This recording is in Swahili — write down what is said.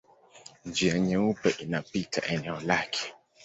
Njia Nyeupe inapita eneo lake.